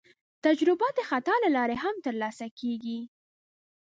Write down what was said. تجربه د خطا له لارې هم ترلاسه کېږي.